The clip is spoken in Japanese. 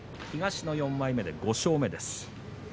東の４枚目で５勝目です。